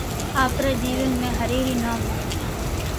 آپري جيون ۾ ھري ري نوم لي